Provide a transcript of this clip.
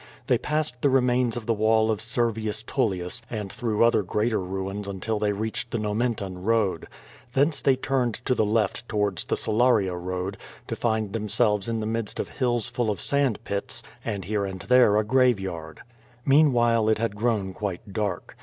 They passed the remains of the wall of Ser vius Tullius and through other greaterruins until theyreached the Nomentan road. Thence they turned to the left to wards the Salaria road, to find themselves in the midst of hills full of sand pits, and here and there a graveyard. Meanwhile it had grown quite dark.